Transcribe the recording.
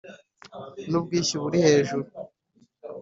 n’ubwishyu buri hejuru